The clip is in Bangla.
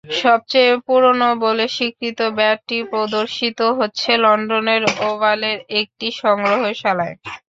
সবচেয়ে পুরোনো বলে স্বীকৃত ব্যাটটি প্রদর্শিত হচ্ছে লন্ডনের ওভালের একটি সংগ্রহশালায়।